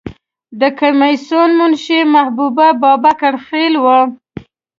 د کمیسیون منشی محبوبه بابکر خیل وه.